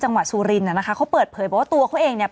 จังหวัดศูรินดิ์น่ะนะคะเขาเปิดเผยบอกตัวเขาเองเนี่ย